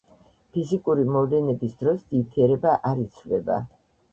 ფიზიკური მოვლენების დროს ნივთიერება არიცვლება